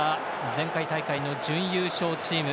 前回大会の準優勝チーム